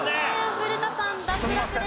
古田さん脱落です。